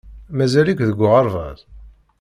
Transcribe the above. Mazal-ik deg uɣerbaz?